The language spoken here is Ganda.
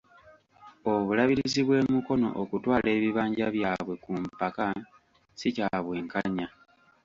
Obulabirizi bw'e Mukono okutwala ebibanja byabwe ku mpaka, ssi kya bwenkanya.